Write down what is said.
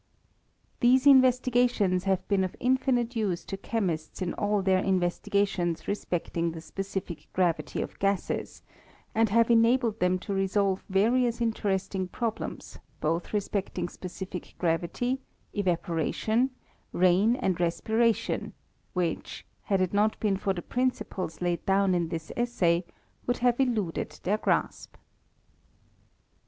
These investigations have been of infinite use to che mists in ail their investigations respecting the specific gravity of gases, and have enabled them to resolve , various interesting problems, both respecting apecifin gravity, evaporation, rain and respiration, which, OF THE ATOMIC THEORY. 289 had it not been for the principles laid down in this essay y would have eluded their grasp.